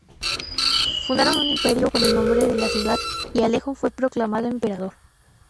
Fundaron un imperio con el nombre de la ciudad y Alejo fue proclamado emperador.